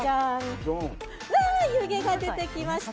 湯気が出てきました！